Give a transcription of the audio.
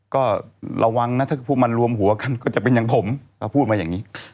ก็ระวังนะถ้าพวกมันรวมหัวกันก็จะเป็นอย่างผมเราพูดมาอย่างนี้